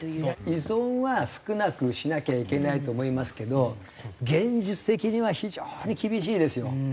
依存は少なくしなきゃいけないと思いますけど現実的には非常に厳しいですよ。